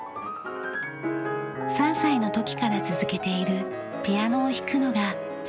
３歳の時から続けているピアノを弾くのが幸福時間です。